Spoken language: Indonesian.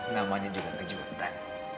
namanya juga kejutan